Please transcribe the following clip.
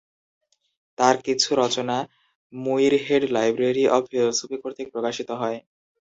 তাঁর কিছু রচনা মুইরহেড লাইব্রেরি অব ফিলোসফি কর্তৃক প্রকাশিত হয়।